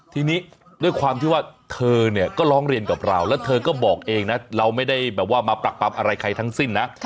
ทีนี้ด้วยความที่ว่าเธอเนี่ยก็ร้องเรียนกับเราแล้วเธอก็บอกเองนะเราไม่ได้แบบว่ามาปรักปำอะไรใครทั้งสิ้นนะ